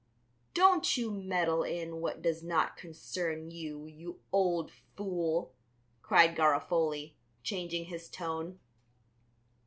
"Don't you meddle in what does not concern you, you old fool," cried Garofoli, changing his tone.